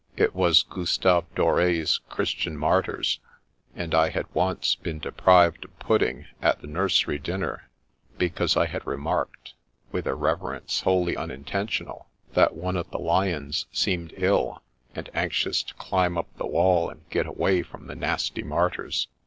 It was Gustave Dore's " Christian Martyrs," and I had once been deprived of pudding at the nursery dinner, because I had remarked (with irreverence wholly unintentional) that one of the lions seemed ill, and anxious to " climb up the wall and get away from the nasty martyrs."